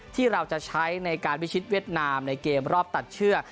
ที่เราจะใช้ในการวิชิตเวียดนามในเกมรอบตัดเชื่อ